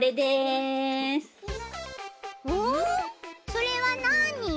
それはなに？